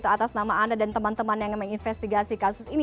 atas nama anda dan teman teman yang menginvestigasi kasus ini